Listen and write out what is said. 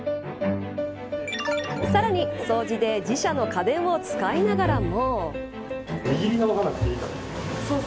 さらに掃除で自社の家電を使いながらも。